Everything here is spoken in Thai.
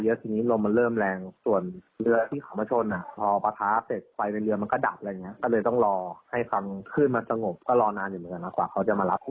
อืมนี่แหละค่ะ